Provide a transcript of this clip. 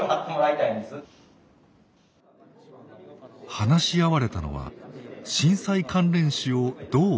話し合われたのは震災関連死をどう防ぐか。